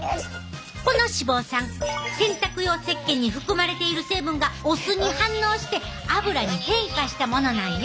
この脂肪酸洗濯用せっけんに含まれている成分がお酢に反応してアブラに変化したものなんよ。